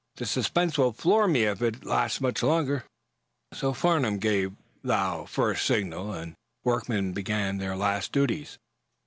The suspense will floor me if it lasts much longer." So Farnum gave tho first signal, and the workmen below began their last duties.